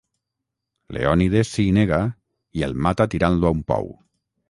Leònides s'hi nega i el mata tirant-lo a un pou.